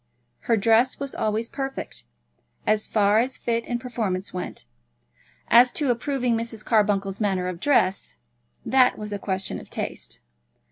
Her dress was always perfect, as far as fit and performance went. As to approving Mrs. Carbuncle's manner of dress, that was a question of taste.